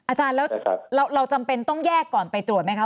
อาจารย์แล้วเราจำเป็นต้องแยกก่อนไปตรวจไหมคะ